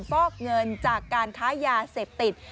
ฟอกเงินจากการค้ายาเสพติด